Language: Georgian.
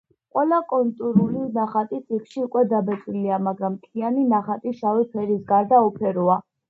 ყველა კონტურული ნახატი წიგნში უკვე დაბეჭდილია, მაგრამ მთლიანი ნახატი, შავი ფერის გარდა, უფეროა.